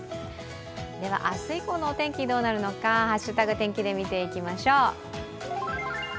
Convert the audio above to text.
では明日以降のお天気、どうなるのか「＃ハッシュタグ天気」で見ていきましょう。